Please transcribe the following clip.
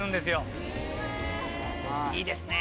いいですね！